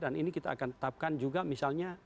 dan ini kita akan tetapkan juga misalnya